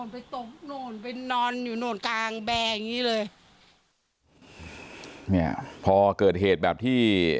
ไปตกนู่นไปนอนอยู่โน่นกลางแบร์อย่างงี้เลยเนี่ยพอเกิดเหตุแบบที่